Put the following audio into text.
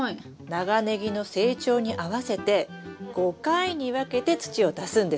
長ネギの成長に合わせて５回に分けて土を足すんです。